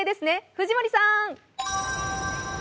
藤森さん。